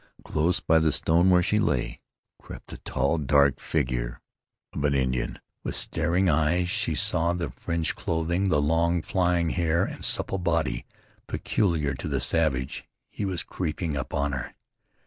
Close by the stone where she lay crept the tall, dark figure of an Indian. With starting eyes she saw the fringed clothing, the long, flying hair, and supple body peculiar to the savage. He was creeping upon her.